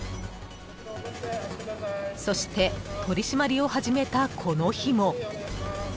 ［そして取り締まりを始めたこの日も］